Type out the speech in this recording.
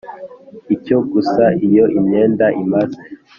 icyo gusa Iyo imyenda imaze